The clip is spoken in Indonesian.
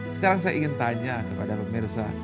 sekarang saya ingin tanya kepada pemirsa